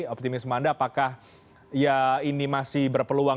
optimisme anda apakah ya ini masih berpeluang